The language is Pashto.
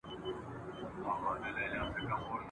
عُمر ټول انتظار وخوړ له ځوانیه تر پیریه ..